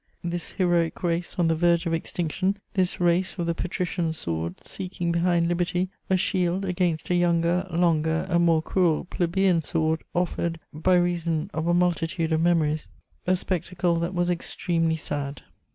This heroic race on the verge of extinction, this race of the patrician sword seeking behind liberty a shield against a younger, longer and more cruel plebeian sword offered, by reason of a multitude of memories, a spectacle that was extremely sad.